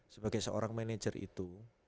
sebagai seorang manajer itu